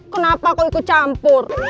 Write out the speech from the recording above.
kenapa kok ikut campur